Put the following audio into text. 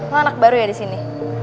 ini anak baru ya di sini